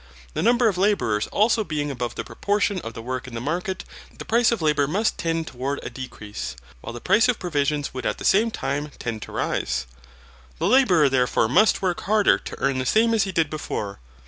The number of labourers also being above the proportion of the work in the market, the price of labour must tend toward a decrease, while the price of provisions would at the same time tend to rise. The labourer therefore must work harder to earn the same as he did before.